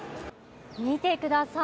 見てください。